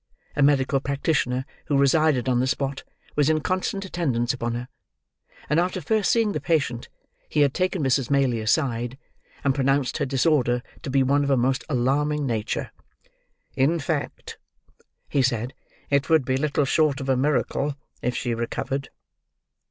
A medical practitioner, who resided on the spot, was in constant attendance upon her; and after first seeing the patient, he had taken Mrs. Maylie aside, and pronounced her disorder to be one of a most alarming nature. "In fact," he said, "it would be little short of a miracle, if she recovered."